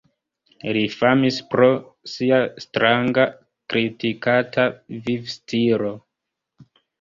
Li famis pro sia stranga -kritikata- vivstilo.